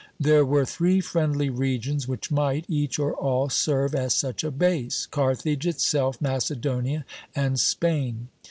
There were three friendly regions which might, each or all, serve as such a base, Carthage itself, Macedonia, and Spain.